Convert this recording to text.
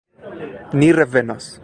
Ni revenos!